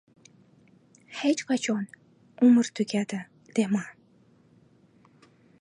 • Hech qachon “umr tugadi” dema.